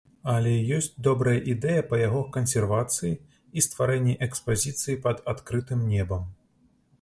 Але ёсць добрая ідэя па яго кансервацыі і стварэнні экспазіцыі пад адкрытым небам.